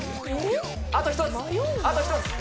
あと１つ、あと１つ。